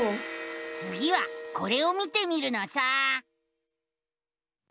つぎはこれを見てみるのさ！